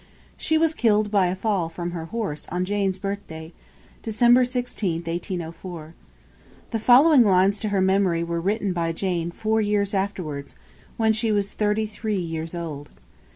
She was killed by a fall from her horse on Jane's birthday, Dec. 16, 1804. The following lines to her memory were written by Jane four years afterwards, when she was thirty three years old.